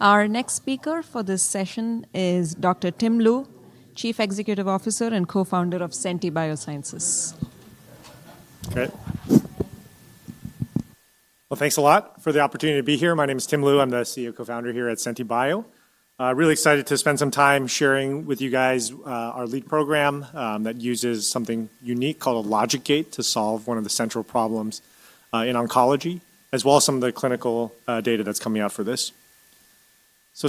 Our next speaker for this session is Dr. Tim Lu, Chief Executive Officer and Co-founder of Senti Biosciences. Okay. Thanks a lot for the opportunity to be here. My name is Tim Lu. I'm the CEO and Co-founder here at Senti Bio. Really excited to spend some time sharing with you guys our lead program that uses something unique called a logic gate to solve one of the central problems in oncology, as well as some of the clinical data that's coming out for this. Senti Biosciences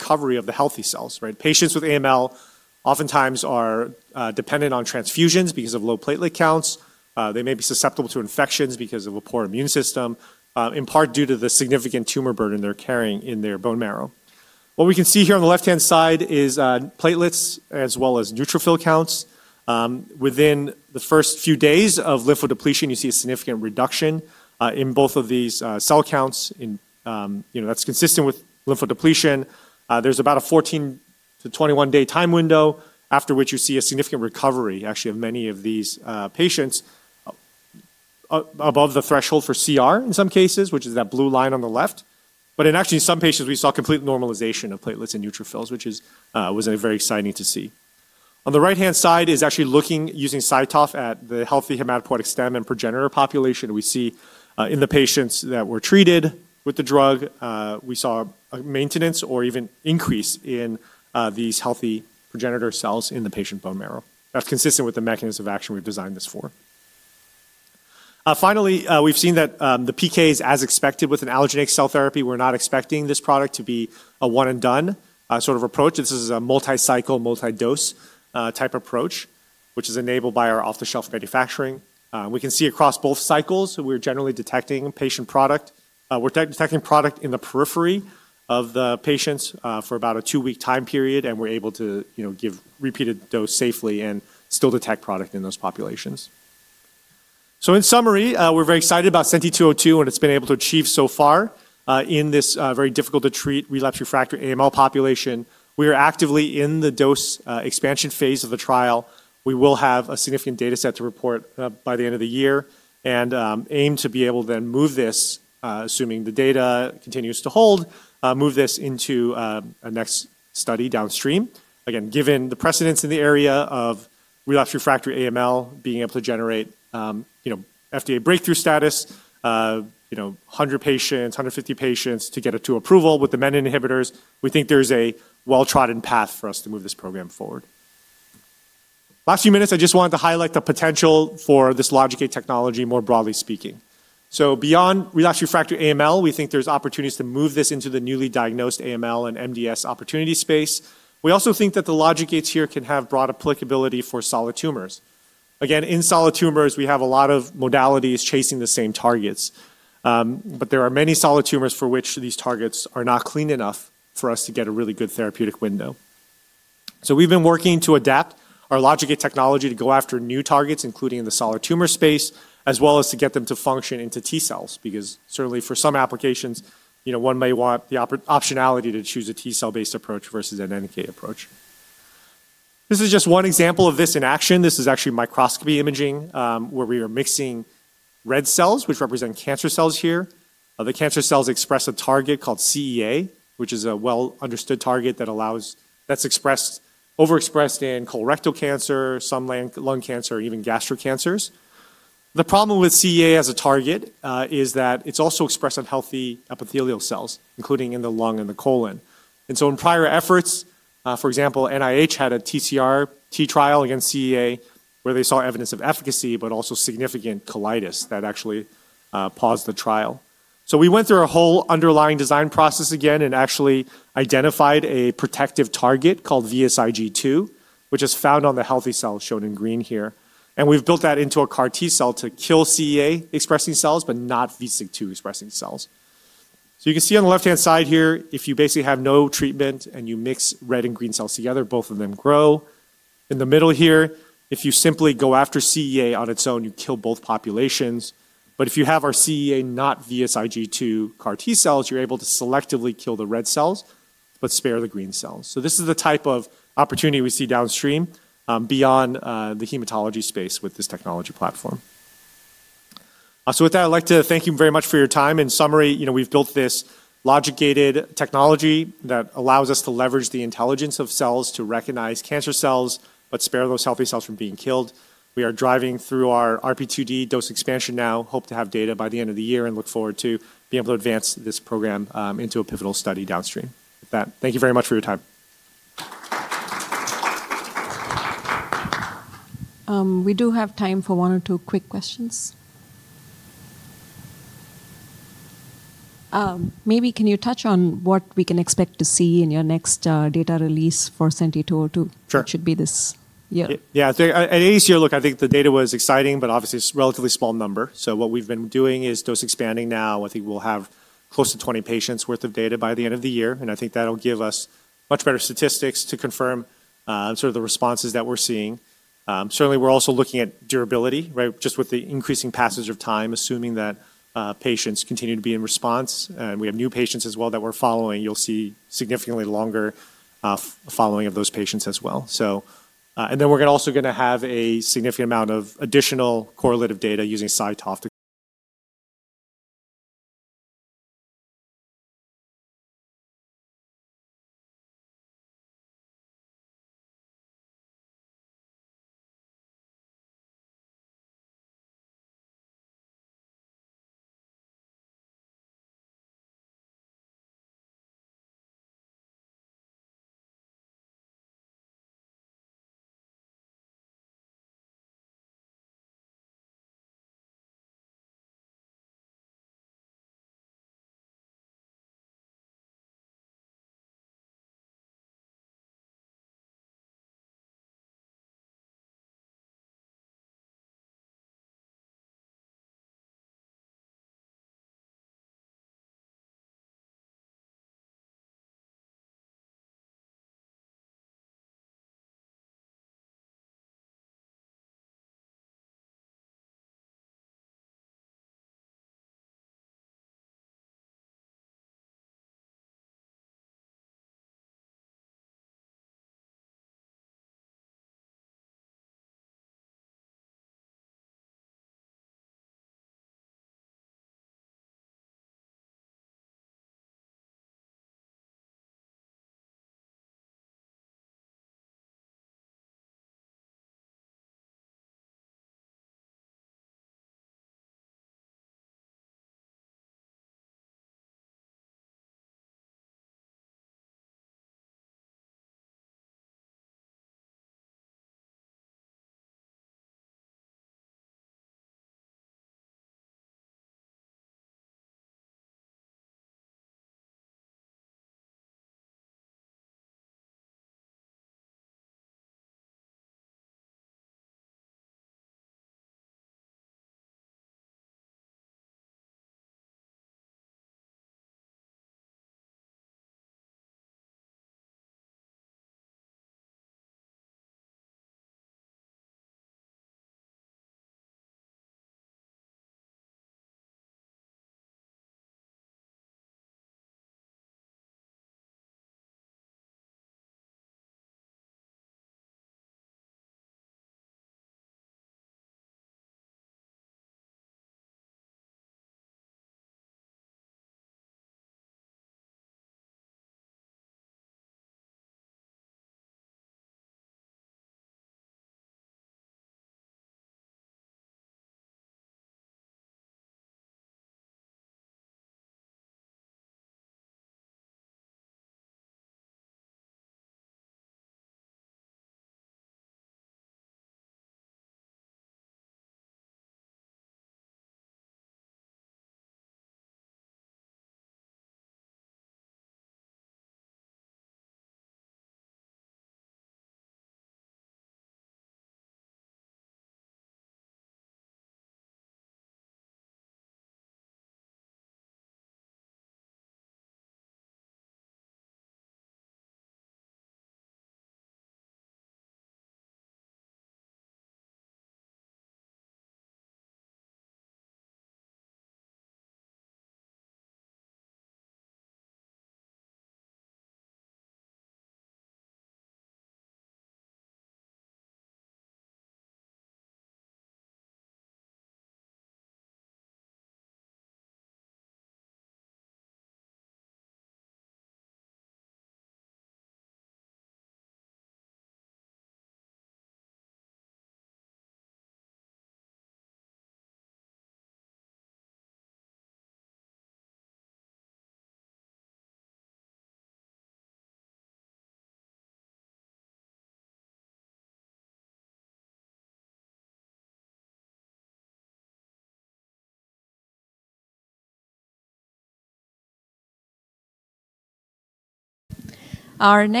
is trying to tackle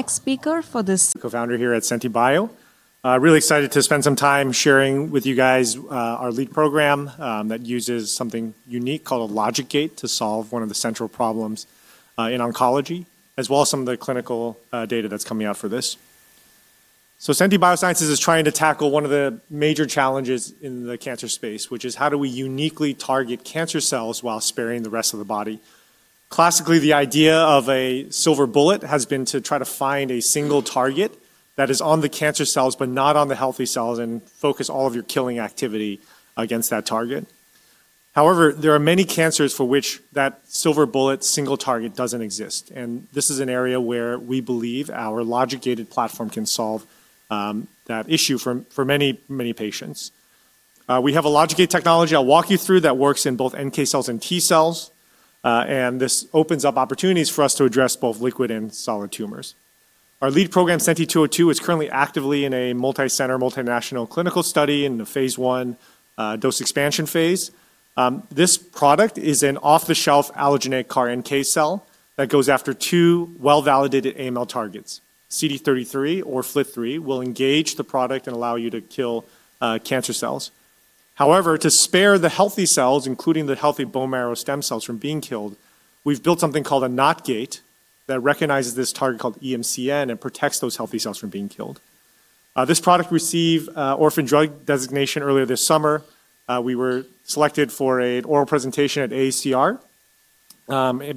one of the major challenges in the cancer space, which is how do we uniquely target cancer cells while sparing the rest of the body? Classically, the idea of a silver bullet has been to try to find a single target that is on the cancer cells but not on the healthy cells and focus all of your killing activity against that target. However, there are many cancers for which that silver bullet single target doesn't exist, and this is an area where we believe our logic gated platform can solve that issue for many, many patients. We have a logic gate technology I'll walk you through that works in both NK cells and T cells, and this opens up opportunities for us to address both liquid and solid tumors. Our lead program, SENTI-202, is currently actively in a multicenter, multinational clinical study in the phase I dose expansion phase. This product is an off-the-shelf allogeneic CAR NK cell that goes after two well-validated AML targets. CD33 or FLT3 will engage the product and allow you to kill cancer cells. However, to spare the healthy cells, including the healthy bone marrow stem cells, from being killed, we've built something called a NOT gate that recognizes this target called EMCN and protects those healthy cells from being killed. This product received orphan drug designation earlier this summer. We were selected for an oral presentation at AACR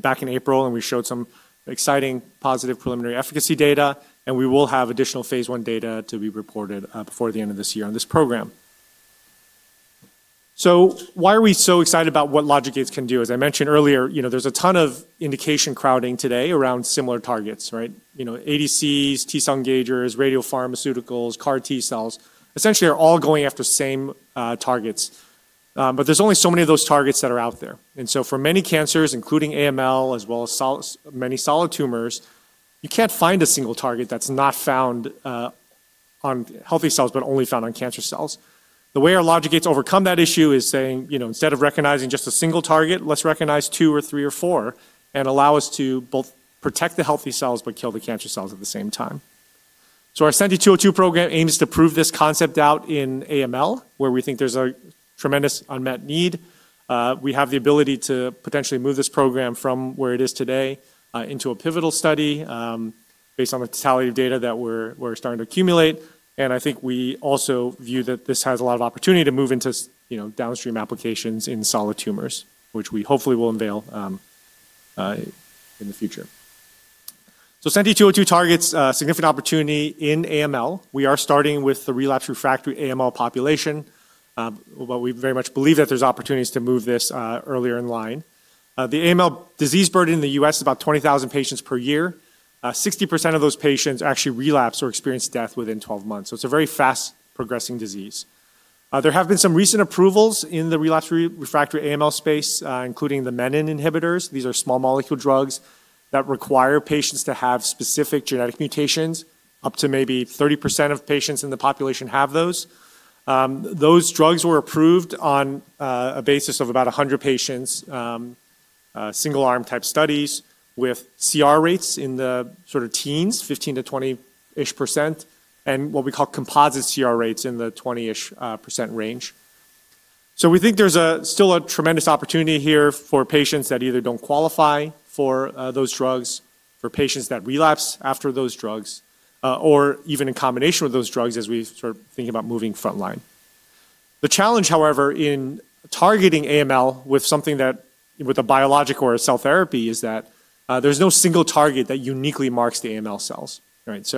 back in April, and we showed some exciting positive preliminary efficacy data, and we will have additional phase I data to be reported before the end of this year on this program. Why are we so excited about what logic gates can do? As I mentioned earlier, there's a ton of indication crowding today around similar targets, right? ADCs, T cell engagers, radiopharmaceuticals, CAR T cells, essentially are all going after the same targets. There's only so many of those targets that are out there, and for many cancers, including AML, as well as many solid tumors, you can't find a single target that's not found on healthy cells but only found on cancer cells. The way our logic gates overcome that issue is saying, you know, instead of recognizing just a single target, let's recognize two or three or four and allow us to both protect the healthy cells but kill the cancer cells at the same time. Our SENTI-202 program aims to prove this concept out in AML, where we think there's a tremendous unmet need. We have the ability to potentially move this program from where it is today into a pivotal study based on the totality of data that we're starting to accumulate, and I think we also view that this has a lot of opportunity to move into, you know, downstream applications in solid tumors, which we hopefully will unveil in the future. SENTI-202 targets a significant opportunity in AML. We are starting with the relapsed/refractory AML population, but we very much believe that there's opportunities to move this earlier in line. The AML disease burden in the U.S. is about 20,000 patients per year. 60% of those patients actually relapse or experience death within 12 months, so it's a very fast progressing disease. There have been some recent approvals in the relapsed/refractory AML space, including the menin inhibitors. These are small molecule drugs that require patients to have specific genetic mutations. Up to maybe 30% of patients in the population have those. Those drugs were approved on a basis of about 100 patients, single-arm type studies with CR rates in the sort of teens, 15%-20%, and what we call composite CR rates in the 20% range. We think there's still a tremendous opportunity here for patients that either don't qualify for those drugs, for patients that relapse after those drugs, or even in combination with those drugs as we start thinking about moving frontline. The challenge, however, in targeting AML with something that, with a biologic or a cell therapy, is that there's no single target that uniquely marks the AML cells, right?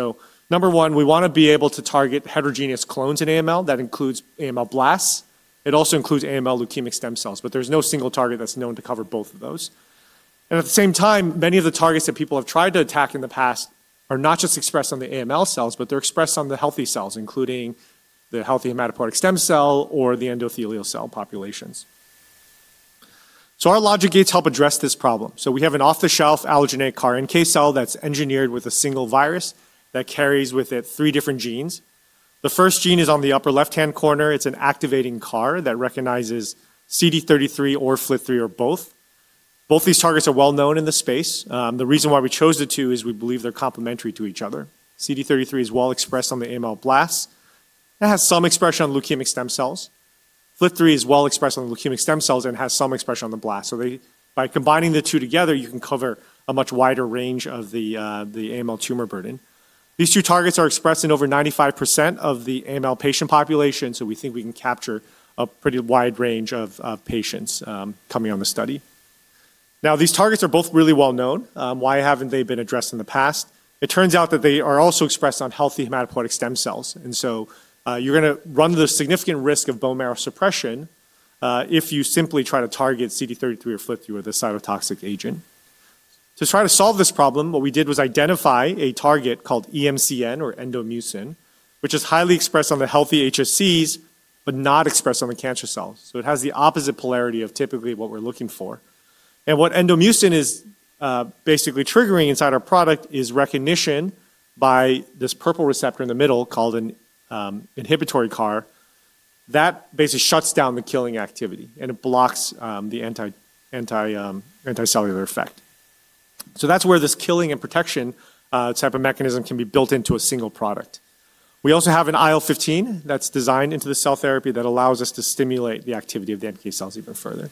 Number one, we want to be able to target heterogeneous clones in AML. That includes AML blasts. It also includes AML leukemic stem cells, but there's no single target that's known to cover both of those. At the same time, many of the targets that people have tried to attack in the past are not just expressed on the AML cells, but they're expressed on the healthy cells, including the healthy hematopoietic stem cell or the endothelial cell populations. Our logic gates help address this problem. We have an off-the-shelf allogeneic CAR NK cell that's engineered with a single virus that carries with it three different genes. The first gene is on the upper left-hand corner. It's an activating CAR that recognizes CD33 or FLT3 or both. Both these targets are well known in the space. The reason why we chose the two is we believe they're complementary to each other. CD33 is well expressed on the AML blasts and has some expression on leukemic stem cells. FLT3 is well expressed on the leukemic stem cells and has some expression on the blasts. By combining the two together, you can cover a much wider range of the AML tumor burden. These two targets are expressed in over 95% of the AML patient population, so we think we can capture a pretty wide range of patients coming on the study. These targets are both really well known. Why haven't they been addressed in the past? It turns out that they are also expressed on healthy hematopoietic stem cells, and you're going to run the significant risk of bone marrow suppression if you simply try to target CD33 or FLT3 with a cytotoxic agent. To try to solve this problem, what we did was identify a target called EMCN or endomucin, which is highly expressed on the healthy HSCs but not expressed on the cancer cells. It has the opposite polarity of typically what we're looking for. What endomucin is basically triggering inside our product is recognition by this purple receptor in the middle called an inhibitory CAR that basically shuts down the killing activity, and it blocks the anti-cellular effect. That's where this killing and protection type of mechanism can be built into a single product. We also have an IL-15 that's designed into the cell therapy that allows us to stimulate the activity of the NK cells even further.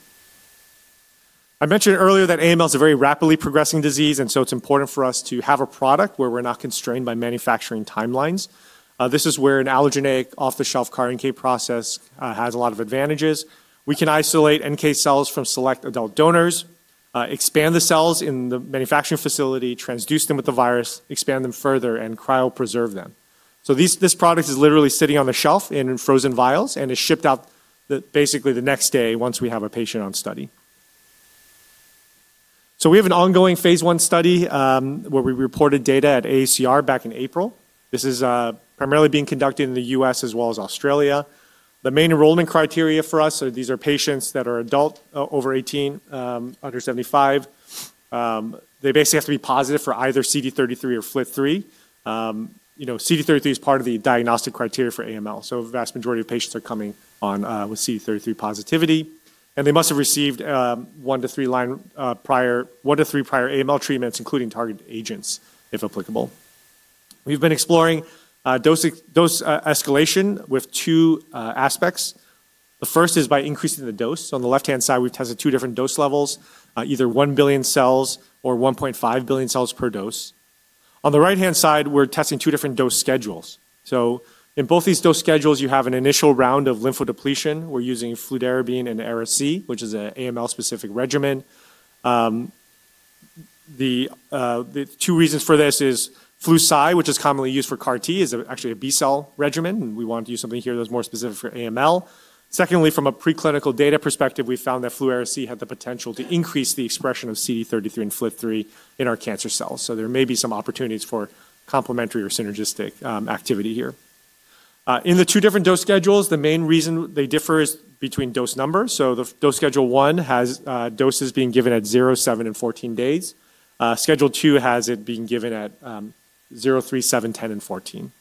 I mentioned earlier that AML is a very rapidly progressing disease, and it's important for us to have a product where we're not constrained by manufacturing timelines. This is where an allogeneic off-the-shelf CAR NK process has a lot of advantages. We can isolate NK cells from select adult donors, expand the cells in the manufacturing facility, transduce them with the virus, expand them further, and cryopreserve them. This product is literally sitting on the shelf in frozen vials and is shipped out basically the next day once we have a patient on study. We have an ongoing phase I study where we reported data at the AACR back in April. This is primarily being conducted in the U.S. as well as Australia. The main enrollment criteria for us, these are patients that are adult, over 18, under 75. They basically have to be positive for either CD33 or FLT3. You know, CD33 is part of the diagnostic criteria for AML, so a vast majority of patients are coming on with CD33 positivity, and they must have received one to three prior AML treatments, including targeted agents if applicable. We've been exploring dose escalation with two aspects. The first is by increasing the dose. On the left-hand side, we've tested two different dose levels, either 1 billion cells or 1.5 billion cells per dose. On the right-hand side, we're testing two different dose schedules. In both these dose schedules, you have an initial round of lymphodepletion. We're using fludarabine and ARSC, which is an AML-specific regimen. The two reasons for this are flucide, which is commonly used for CAR T, is actually a B-cell regimen, and we wanted to use something here that was more specific for AML. Secondly, from a preclinical data perspective, we found that flu and ARSC had the potential to increase the expression of CD33 and FLT3 in our cancer cells, so there may be some opportunities for complementary or synergistic activity here. In the two different dose schedules, the main reason they differ is between dose numbers. The dose schedule one has doses being given at 0, 7, and 14 days. Schedule two has it being given at 0, 3, 7, 10, and 14.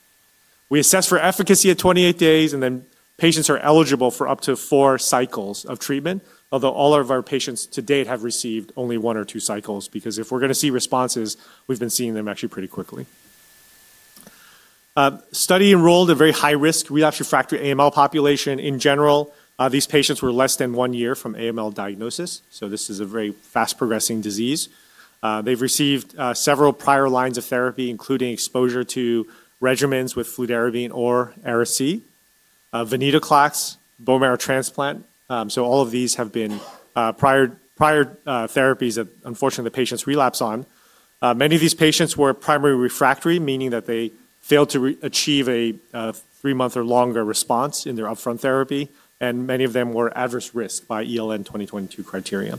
We assess for efficacy at 28 days, and then patients are eligible for up to four cycles of treatment, although all of our patients to date have received only one or two cycles because if we're going to see responses, we've been seeing them actually pretty quickly. Study enrolled a very high risk relapsed/refractory AML population. In general, these patients were less than one year from AML diagnosis, so this is a very fast progressing disease. They've received several prior lines of therapy, including exposure to regimens with fludarabine or ARSC, venetoclax, bone marrow transplant. All of these have been prior therapies that, unfortunately, the patients relapse on. Many of these patients were primary refractory, meaning that they failed to achieve a three-month or longer response in their upfront therapy, and many of them were adverse risk by ELN 2022 criterion.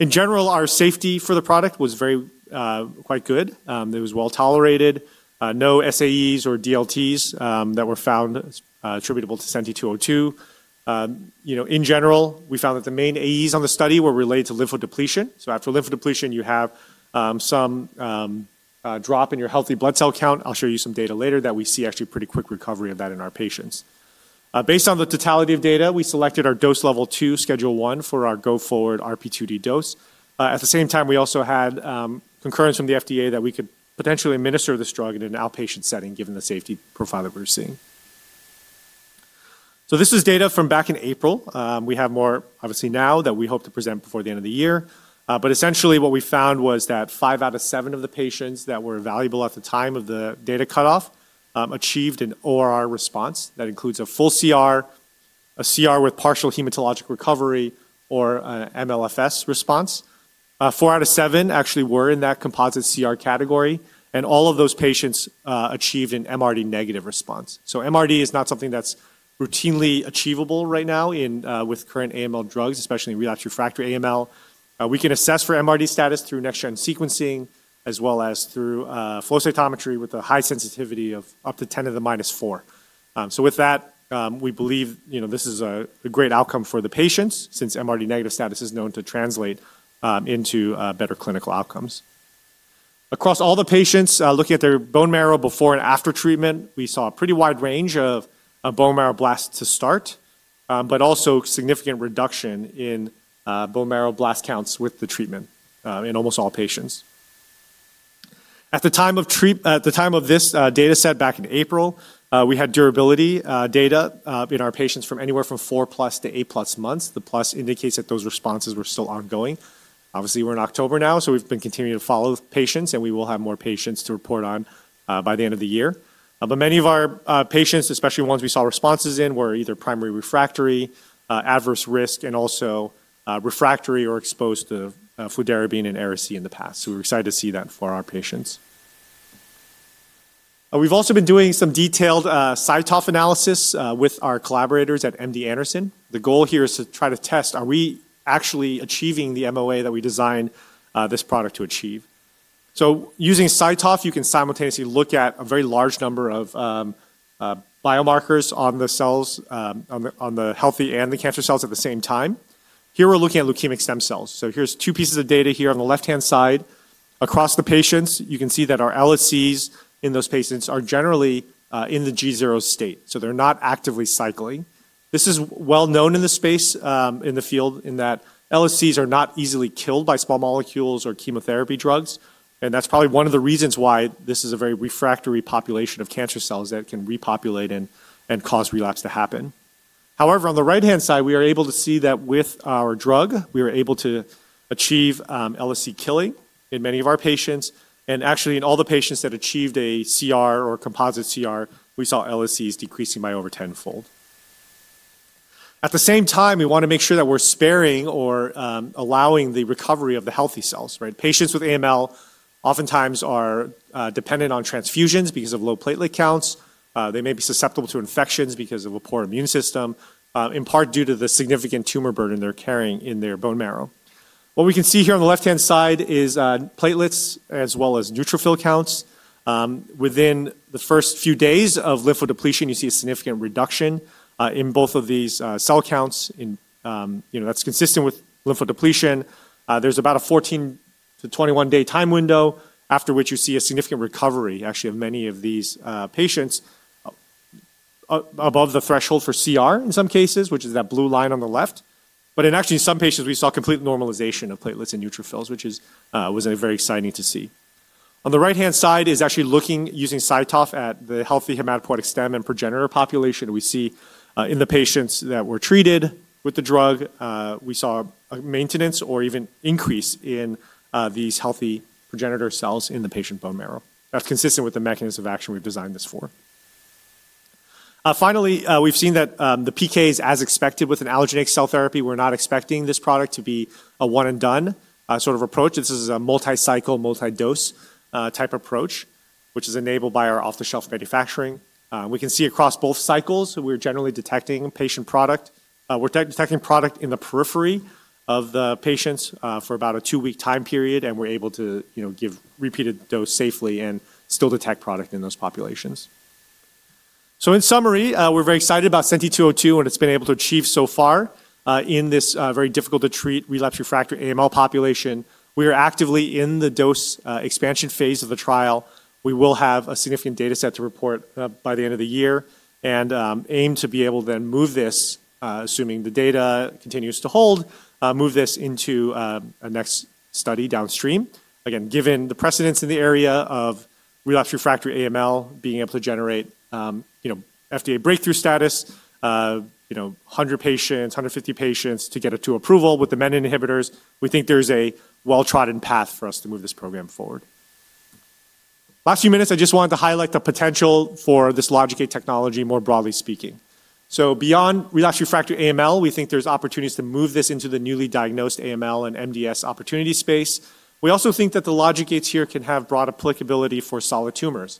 In general, our safety for the product was very quite good. It was well tolerated. No SAEs or DLTs that were found attributable to SENTI-202. In general, we found that the main AEs on the study were related to lymphodepletion. After lymphodepletion, you have some drop in your healthy blood cell count. I'll show you some data later that we see actually pretty quick recovery of that in our patients. Based on the totality of data, we selected our dose level two, schedule one, for our go-forward RP2D dose. At the same time, we also had concurrence from the FDA that we could potentially administer this drug in an outpatient setting, given the safety profile that we're seeing. This is data from back in April. We have more, obviously, now that we hope to present before the end of the year, but essentially what we found was that five out of seven of the patients that were evaluable at the time of the data cutoff achieved an ORR response that includes a full CR, a CR with partial hematologic recovery, or an MLFS response. Four out of seven actually were in that composite CR category, and all of those patients achieved an MRD negative response. MRD is not something that's routinely achievable right now with current AML drugs, especially relapsed/refractory AML. We can assess for MRD status through next-gen sequencing as well as through flow cytometry with a high sensitivity of up to 10^-4. With that, we believe this is a great outcome for the patients since MRD negative status is known to translate into better clinical outcomes. Across all the patients, looking at their bone marrow before and after treatment, we saw a pretty wide range of bone marrow blasts to start, but also significant reduction in bone marrow blast counts with the treatment in almost all patients. At the time of this data set back in April, we had durability data in our patients from anywhere from four plus to eight plus months. The plus indicates that those responses were still ongoing. Obviously, we're in October now, so we've been continuing to follow patients, and we will have more patients to report on by the end of the year. Many of our patients, especially ones we saw responses in, were either primary refractory, adverse risk, and also refractory or exposed to fludarabine and ARSC in the past. We were excited to see that for our patients. We've also been doing some detailed CyTOF analysis with our collaborators at MD Anderson. The goal here is to try to test, are we actually achieving the MOA that we designed this product to achieve? Using CyTOF, you can simultaneously look at a very large number of biomarkers on the cells, on the healthy and the cancer cells at the same time. Here, we're looking at leukemic stem cells. Here's two pieces of data here on the left-hand side. Across the patients, you can see that our LSCs in those patients are generally in the G0 state, so they're not actively cycling. This is well known in the space, in the field, in that LSCs are not easily killed by small molecules or chemotherapy drugs, and that's probably one of the reasons why this is a very refractory population of cancer cells that can repopulate and cause relapse to happen. However, on the right-hand side, we are able to see that with our drug, we are able to achieve LSC killing in many of our patients, and actually in all the patients that achieved a CR or composite CR, we saw LSCs decreasing by over tenfold. At the same time, we want to make sure that we're sparing or allowing the recovery of the healthy cells, right? Patients with AML oftentimes are dependent on transfusions because of low platelet counts. They may be susceptible to infections because of a poor immune system, in part due to the significant tumor burden they're carrying in their bone marrow. What we can see here on the left-hand side is platelets as well as neutrophil counts. Within the first few days of lymphodepletion, you see a significant reduction in both of these cell counts, and that's consistent with lymphodepletion. There's about a 14 to 21-day time window after which you see a significant recovery, actually, of many of these patients above the threshold for CR in some cases, which is that blue line on the left. In actually some patients, we saw complete normalization of platelets and neutrophils, which was very exciting to see. On the right-hand side is actually looking, using CyTOF, at the healthy hematopoietic stem and progenitor population. We see in the patients that were treated with the drug, we saw a maintenance or even increase in these healthy progenitor cells in the patient bone marrow. That's consistent with the mechanism of action we've designed this for. Finally, we've seen that the PKs, as expected with an allogeneic cell therapy, we're not expecting this product to be a one-and-done sort of approach. This is a multi-cycle, multi-dose type approach, which is enabled by our off-the-shelf manufacturing. We can see across both cycles that we're generally detecting patient product. We're detecting product in the periphery of the patients for about a two-week time period, and we're able to give repeated dose safely and still detect product in those populations. In summary, we're very excited about SENTI-202 and what it's been able to achieve so far in this very difficult-to-treat relapsed/refractory AML population. We are actively in the dose expansion phase of the trial. We will have a significant data set to report by the end of the year and aim to be able to then move this, assuming the data continues to hold, move this into a next study downstream. Given the precedence in the area of relapsed/refractory AML, being able to generate FDA breakthrough status, 100 patients, 150 patients to get it to approval with the menin inhibitors, we think there's a well-trodden path for us to move this program forward. In the last few minutes, I just wanted to highlight the potential for this logic gate technology, more broadly speaking. Beyond relapsed/refractory AML, we think there's opportunities to move this into the newly diagnosed AML and MDS opportunity space. We also think that the logic gates here can have broad applicability for solid tumors.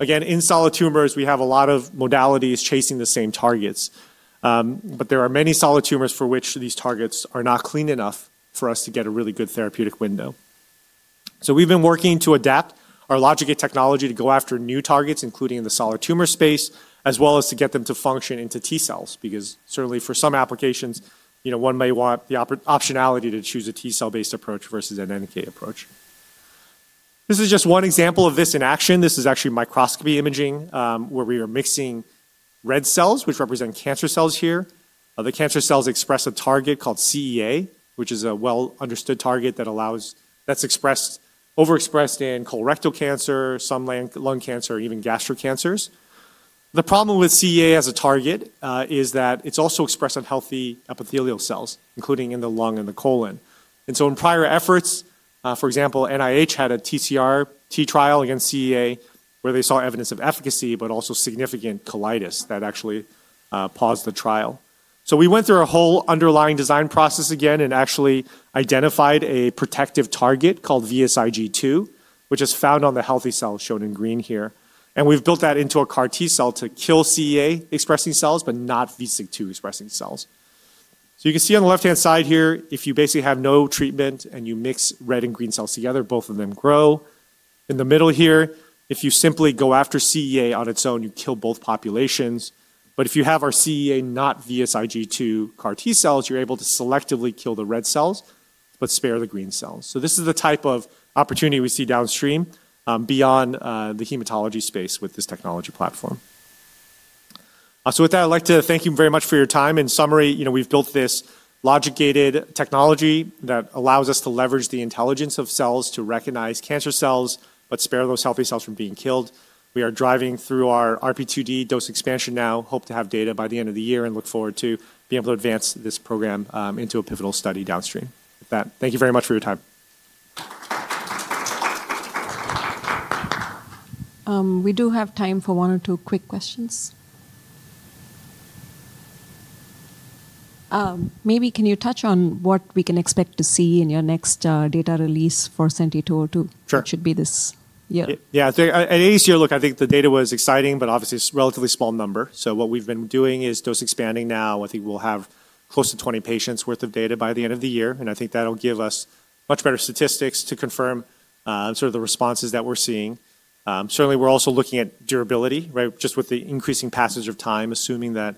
In solid tumors, we have a lot of modalities chasing the same targets, but there are many solid tumors for which these targets are not clean enough for us to get a really good therapeutic window. We've been working to adapt our logic gate technology to go after new targets, including in the solid tumor space, as well as to get them to function into T cells because certainly for some applications, one may want the optionality to choose a T cell-based approach versus an NK approach. This is just one example of this in action. This is actually microscopy imaging where we are mixing red cells, which represent cancer cells here. The cancer cells express a target called CEA, which is a well-understood target that is overexpressed in colorectal cancer, some lung cancer, and even gastric cancers. The problem with CEA as a target is that it's also expressed on healthy epithelial cells, including in the lung and the colon. In prior efforts, for example, NIH had a TCRT trial against CEA where they saw evidence of efficacy but also significant colitis that actually paused the trial. We went through a whole underlying design process again and actually identified a protective target called VSIG2, which is found on the healthy cell shown in green here, and we've built that into a CAR T cell to kill CEA-expressing cells but not VSIG2-expressing cells. You can see on the left-hand side here, if you basically have no treatment and you mix red and green cells together, both of them grow. In the middle here, if you simply go after CEA on its own, you kill both populations, but if you have our CEA not VSIG2 CAR T cells, you're able to selectively kill the red cells but spare the green cells. This is the type of opportunity we see downstream beyond the hematology space with this technology platform. With that, I'd like to thank you very much for your time. In summary, we've built this logic gated technology that allows us to leverage the intelligence of cells to recognize cancer cells but spare those healthy cells from being killed. We are driving through our RP2D dose expansion now, hope to have data by the end of the year, and look forward to being able to advance this program into a pivotal study downstream. With that, thank you very much for your time. We do have time for one or two quick questions. Maybe can you touch on what we can expect to see in your next data release for SENTI-202? Sure. It should be this year. Yeah, I think at AACR, I think the data was exciting, but obviously it's a relatively small number. What we've been doing is dose expanding now. I think we'll have close to 20 patients' worth of data by the end of the year, and I think that'll give us much better statistics to confirm sort of the responses that we're seeing. Certainly, we're also looking at durability, right? Just with the increasing passage of time, assuming that